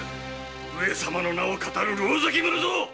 上様の名を騙る狼藉者ぞ！